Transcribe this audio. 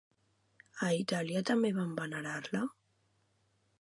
A Itàlia també van venerar-la?